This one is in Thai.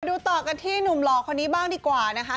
ดูต่อกันที่หนุ่มหล่อคนนี้บ้างดีกว่านะคะ